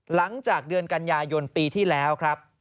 หลังจากเดือนกัญญายนปีที่แล้ว